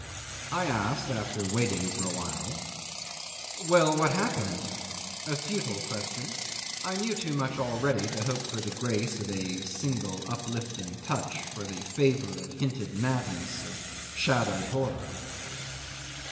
I asked, after waiting for a while, "Well, what happened?" A futile question. I knew too much already to hope for the grace of a single uplifting touch, for the favour of hinted madness, of shadowed horror.